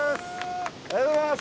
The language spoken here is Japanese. おはようございます。